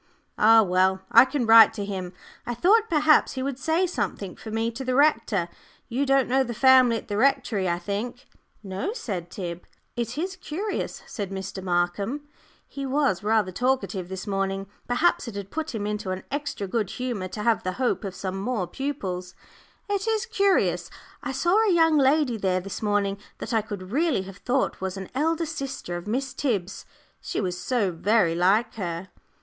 "Ah well! I can write to him. I thought perhaps he would say something for me to the rector you don't know the family at the Rectory, I think?" "No," said Tib. "It is curious," said Mr. Markham he was rather talkative this morning; perhaps it had put him into an extra good humour to have the hope of some more pupils "it is curious I saw a young lady there this morning that I could really have thought was an elder sister of Miss Tib's she was so very like her."